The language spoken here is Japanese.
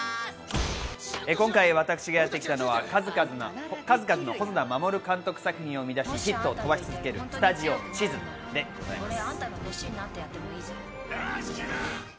今回、私がやってきたのは数々の細田守監督作品を生み出しヒットし続けるスタジオ地図です。